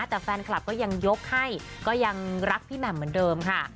แต่แฟนคลับก็ยังยกให้ก็ยังรักพี่แหม่มเหมือนเดิมค่ะ